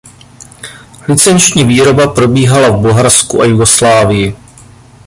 Licenční výroba probíhala v Bulharsku a Jugoslávii.